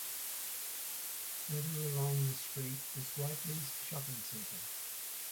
Further north along the street is Whiteleys shopping centre.